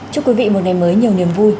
chúc quý vị một ngày mới nhiều niềm vui